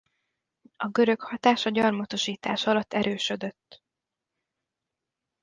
A görög hatás a gyarmatosítás alatt erősödött.